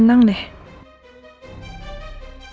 maka aku gak bisa jalan